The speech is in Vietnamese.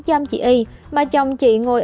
dăm chị y mà chồng chị ngồi